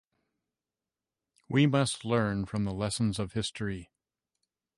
We must learn from the lessons of History.